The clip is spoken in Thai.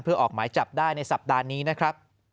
เพื่อออกหมายจับได้ในสัปดาห์นี้นะครับ